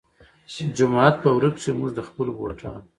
جومات پۀ ورۀ کښې مونږ د خپلو بوټانو